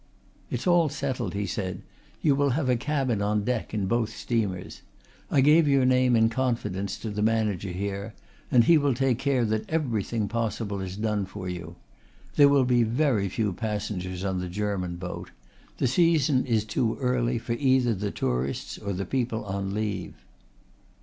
"It's all settled," he said. "You will have a cabin on deck in both steamers. I gave your name in confidence to the manager here and he will take care that everything possible is done for you. There will be very few passengers on the German boat. The season is too early for either the tourists or the people on leave."